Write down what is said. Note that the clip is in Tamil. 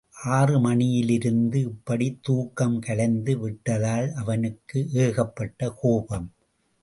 ஆறு மணியிலிருந்து இப்படித் தூக்கம் கலைந்து விட்டதால், அவனுக்கு ஏகப்பட்ட கோபம்.